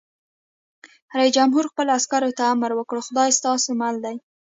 رئیس جمهور خپلو عسکرو ته امر وکړ؛ خدای ستاسو مل دی!